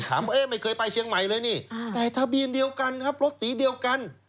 ไม่เคยไปเชียงใหม่เลยนี่แต่ทะเบียนเดียวกันครับรถสีเดียวกัน